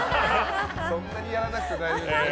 そんなにやらなくても大丈夫でしょ。